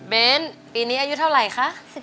ปีนี้อายุเท่าไหร่คะ